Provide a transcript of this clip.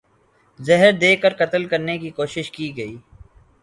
زہر دے کر قتل کرنے کی کوشش کی گئی